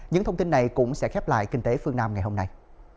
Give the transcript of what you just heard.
những thông tin này cũng sẽ khép lại kinh tế phương nam ngày hôm nay